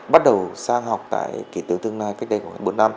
bắt đầu sang học tại kiện tướng tương lai cách đây khoảng bốn năm